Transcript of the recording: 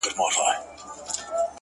آذر ته له دې ځايه غر و ښار ته ور وړم’